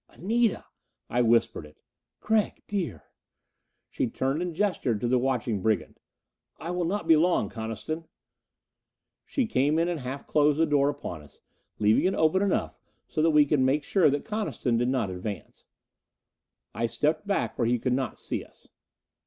"Anita!" I whispered it. "Gregg, dear!" She turned and gestured to the watching brigand. "I will not be long, Coniston." She came in and half closed the door upon us, leaving it open enough so that we could make sure that Coniston did not advance. I stepped back where he could not see us.